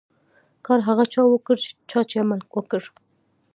کار هغه چا وکړو، چا چي عمل وکړ.